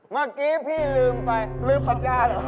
เมื่อกี้พี่ลืมไปลืมปัญญาเหรอ